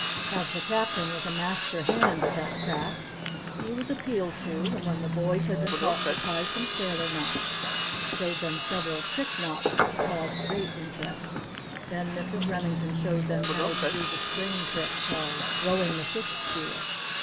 As the Captain was a master hand at that craft, he was appealed to and when the boys had been taught to tie some sailor knots he showed them several trick knots which caused great interest. Then, Mrs. Remington showed them how to do the string trick called "Throwing the Fish Spear."